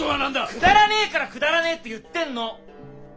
くだらねえから「くだらねえ」って言ってんの！